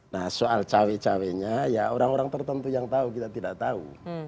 nah soal cewek ceweknya ya orang orang tertentu yang tahu kita tidak tau